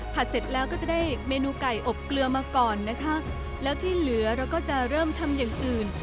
เสร็จแล้วก็จะได้เมนูไก่อบเกลือมาก่อนนะคะแล้วที่เหลือเราก็จะเริ่มทำอย่างอื่น